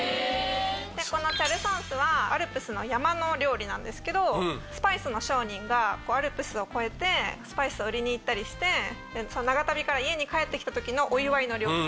このチャルソンスはアルプスの山の料理なんですけどスパイスの商人がアルプスを越えてスパイスを売りに行ったりして長旅から家に帰ってきた時のお祝いの料理。